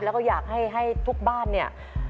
แล้วก็อยากให้ทุกบ้านเนี่ย